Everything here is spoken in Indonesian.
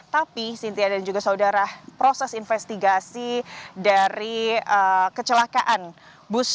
tapi sintia dan juga saudara proses investigasi dari kecelakaan bus